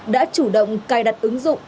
đã chủ động cài đặt ứng dụng